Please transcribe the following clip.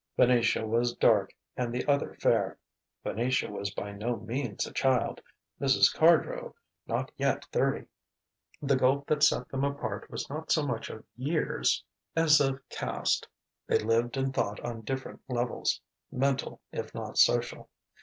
Venetia was dark, and the other fair; Venetia was by no means a child, Mrs. Cardrow not yet thirty. The gulf that set them apart was not so much of years as of caste: they lived and thought on different levels, mental if not social.